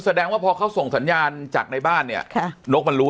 แล้วอ่าห่าขออะไรไงอย่างข้างในบ้างพอให้นกบินออก